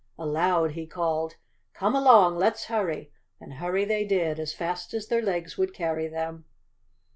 Aloud he called, "Come along, let's hurry," and hurry they did as fast as their legs would carry them.